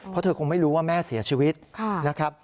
เพราะเธอคงไม่รู้ว่าแม่เสียชีวิตนะครับ